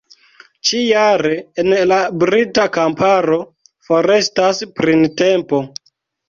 Ĉi-jare en la brita kamparo forestas printempo.